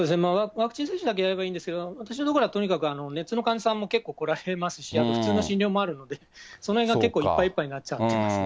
ワクチン接種だけやればいいんですけど、私の所はとにかく、熱の患者さんも結構来られますし、普通の診療もあるので、そのへんが結構、いっぱいいっぱいになっちゃってますね。